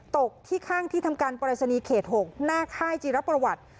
ตกที่ข้างที่ทำการปรายศนีย์เขต๖หน้าค่ายจีรประวัติ